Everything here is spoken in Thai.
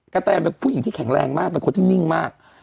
แตนเป็นผู้หญิงที่แข็งแรงมากเป็นคนที่นิ่งมาก